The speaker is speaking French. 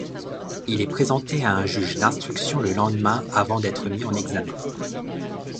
Il est présenté à un juge d'instruction le lendemain avant d'être mis en examen.